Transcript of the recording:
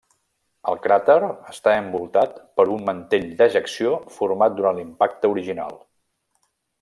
El cràter està envoltat per un mantell d'ejecció format durant l'impacte original.